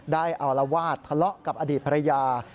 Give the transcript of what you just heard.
ได้อวราวาศทะเลาะกับอดีตพระยา